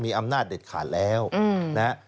มีอำนาจเด็ดขาดแล้วนะฮะ